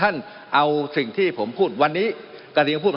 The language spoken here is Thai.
มันมีมาต่อเนื่องมีเหตุการณ์ที่ไม่เคยเกิดขึ้น